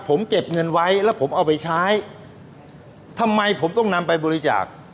ผมเก็บเงินไว้แล้วผมเอาไปใช้ทำไมผมต้องนำไปบริจาค